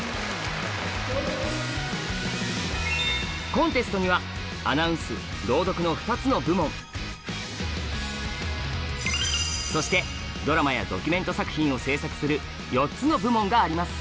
コンテストにはアナウンス朗読の２つの部門そしてドラマやドキュメント作品を制作する４つの部門があります。